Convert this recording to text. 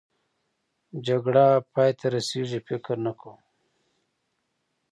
جګړه پای ته رسېږي؟ فکر نه کوم.